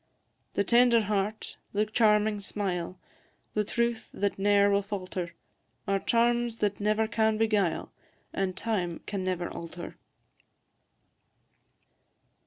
The tender heart, the charming smile, The truth that ne'er will falter, Are charms that never can beguile, And time can never alter.